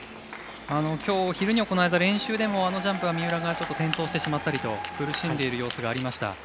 きょう昼に行われた練習でも、あのジャンプは三浦が転倒してしまったりと苦しんでいる様子がありました。